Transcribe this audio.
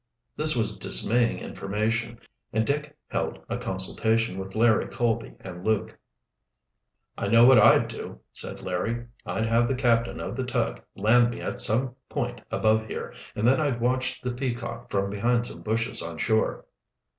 This was dismaying information, and Dick held a consultation with Larry Colby and Luke. "I know what I'd do," said Larry. "I'd have the captain of the tug land me at some point above here, and then I'd watch the Peacock from behind some bushes on shore."